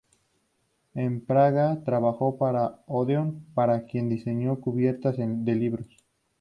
En Praga trabajó para Odeon, para quien diseñó cubiertas de libros.